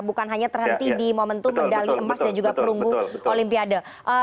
bukan hanya terhenti di momentum medali emas dan juga perunggu olimpiade